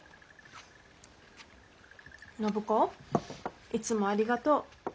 暢子いつもありがとう。